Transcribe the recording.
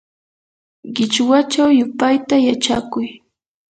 qichwachaw yupayta yachakuy.